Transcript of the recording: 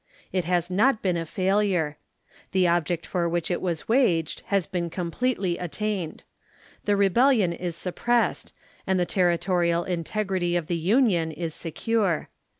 It has not been a failure. The object for which it was waged, has been completely attained. The rebellion is suppressed, and the territorial integrity of the Union is secure.